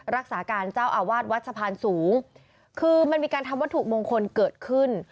รักษาการเจ้าอาวาสวัดสะพานสูงคือมันมีการทำวัตถุมงคลเกิดขึ้น